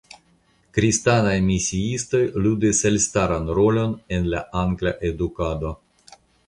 Kristanaj misiistoj ludis elstaran rolon en la angla edukado.